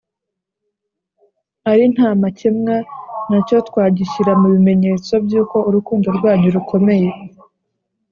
ari ntamakemwa nacyo twagishyira mu bimenyetso by’uko urukundo rwanyu rukomeye.